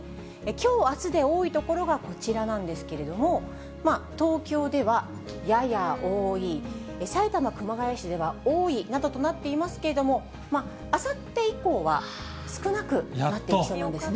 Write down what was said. きょう、あすで多い所がこちらなんですけれども、東京ではやや多い、埼玉・熊谷市では多いなどとなっていますけれども、あさって以降は少なくなっていきそうなんですね。